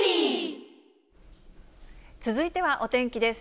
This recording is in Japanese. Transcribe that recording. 続いてはお天気です。